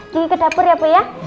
kiri ke dapur ya pu ya